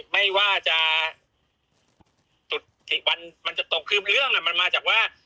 ไม่ว่าจะจุดวันมันจะตกคือเรื่องมันมาจากว่า